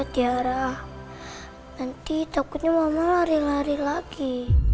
diarah nanti takutnya mama lari lari lagi